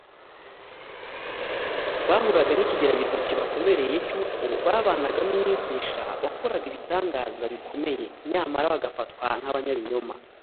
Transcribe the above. bahuraga n’ikigeragezo kibakomereye cy’uko babanaga n’umwigisha wakoraga ibitangaza bikomeye, nyamara bagafatwa nk’abanyabinyoma